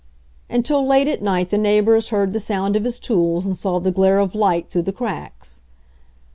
Until late at night the neighbors heard the sound of his tools and saw the glare of light through the cracks.